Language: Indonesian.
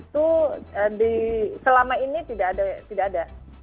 itu selama ini tidak ada